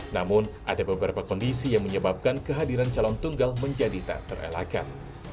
namun ada beberapa kondisi yang menyebabkan kehadiran calon tunggal menjadi tak terelakkan